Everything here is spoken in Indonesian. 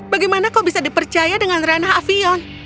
bagaimana kau bisa dipercaya dengan ranah avion